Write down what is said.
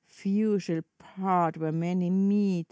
few shall part where many meet!